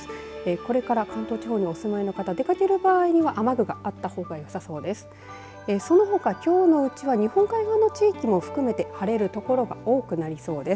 これから関東地方にお住まいの方出掛ける場合は雨具があったほうがよさそうです。